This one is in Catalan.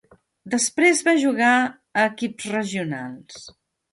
Després va jugar a equips regionals.